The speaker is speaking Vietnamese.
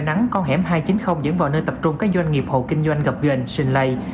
nắng con hẻm hai trăm chín mươi dẫn vào nơi tập trung các doanh nghiệp hộ kinh doanh gặp doanh sinh lây